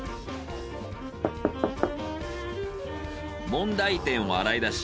問題点を洗い出し